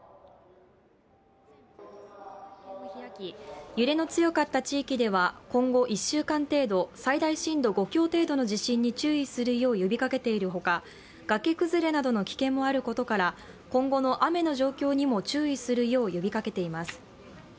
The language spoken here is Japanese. この地震について気象庁は会見を開き、今後１週間程度最大震度５強程度の地震に注意するよう呼びかけているほか、崖崩れなどの危険もあることから、今後の雨の状況にも注意するよう呼びかけています。